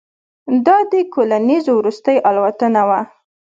دا د کولینز وروستۍ الوتنه وه.